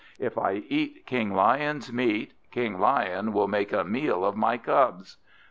If I eat King Lion's meat, King Lion will make a meal of my cubs."